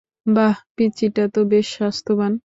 বাহ, পিচ্চিটা তো বেশ স্বাস্থ্যবান!